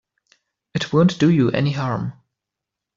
It won't do you any harm.